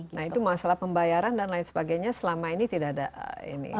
nah itu masalah pembayaran dan lain sebagainya selama ini tidak ada ini